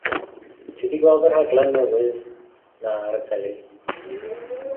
Ti 'di gweld y rhaglen newydd 'na ar y teli?